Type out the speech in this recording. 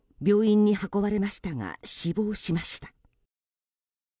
病院に運ばれましたが死亡しました。